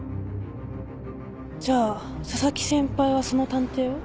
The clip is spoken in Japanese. じゃあ紗崎先輩はその探偵を？